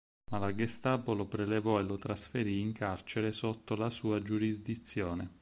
Ma la Gestapo lo prelevò e lo trasferì in carcere sotto la sua giurisdizione.